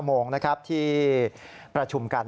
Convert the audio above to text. โมงนะครับที่ประชุมกัน